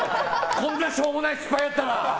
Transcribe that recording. こんなしょうもない失敗やったら。